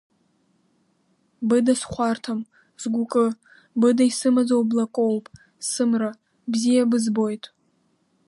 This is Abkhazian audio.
Быда схәарҭам, сгәыкы, быда исымаӡоу блакоуп, сымра, бзиа бызбоит…